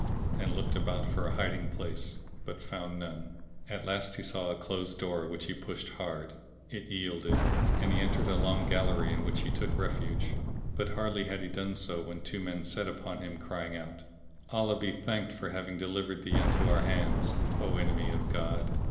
and looked about for a hiding place but found none. At last he saw a closed door which he pushed hard: it yielded. and he entered a long gallery in which he took refuge, but hardly had he done so, when two men set upon him crying out, "Allah be thanked for having delivered thee into our hands, O enemy of God!